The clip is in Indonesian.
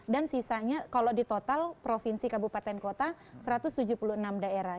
dan sisanya kalau di total provinsi kabupaten kota satu ratus tujuh puluh enam daerah